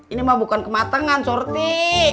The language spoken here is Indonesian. ini mah bukan kematangan sorti